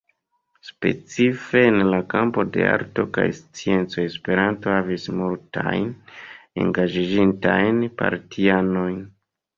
Specife en la kampo de arto kaj sciencoj Esperanto havis multajn engaĝiĝintajn partianojn.